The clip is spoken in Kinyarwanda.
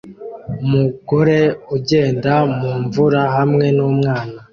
Umugore ugenda mumvura hamwe numwana